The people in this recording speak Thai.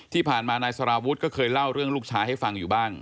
ที่ผ่านมานายสารวุฒิก็เคยเล่าเรื่องลูกชายให้ฟังอยู่บ้าง